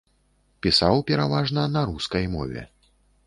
Пісаў пераважна на рускай мове.